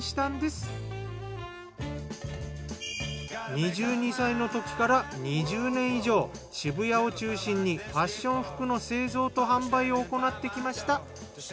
２２歳のときから２０年以上渋谷を中心にファッション服の製造と販売を行ってきました。